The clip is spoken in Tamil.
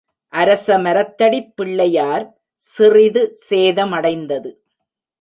அரச மரத்தடிப் பிள்ளையார் சிறிது சேதமடைந்தது.